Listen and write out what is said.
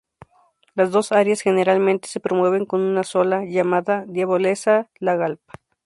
Las dos áreas generalmente se promueven como una sola, llamada Diavolezza-Lagalb.